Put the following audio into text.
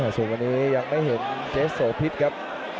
ส่วนวันนี้ยังไม่เห็นเจ๊โสพิษครับ